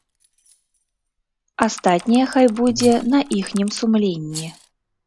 Астатняе хай будзе на іхнім сумленні.